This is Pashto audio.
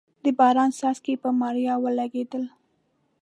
د باران څاڅکي پر ماريا ولګېدل.